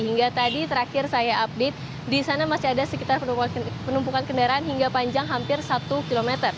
hingga tadi terakhir saya update di sana masih ada sekitar penumpukan kendaraan hingga panjang hampir satu km